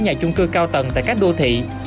nhà chung cư cao tầng tại các đô thị